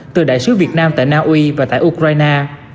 từ đại sứ việt nam tại na uy và tại ukraine